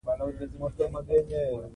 خاوره د افغانانو ژوند اغېزمن کوي.